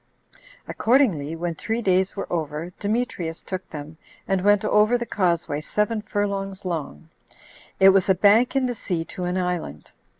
Accordingly, when three days were over, Demetrius took them, and went over the causeway seven furlongs long: it was a bank in the sea to an island.